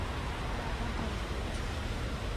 বারবার ধরা পড়েছি।